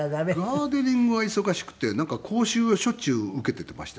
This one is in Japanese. ガーデニングが忙しくて講習をしょっちゅう受けていましてね。